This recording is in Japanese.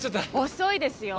遅いですよ。